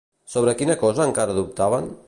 Sobre quina cosa encara dubtaven?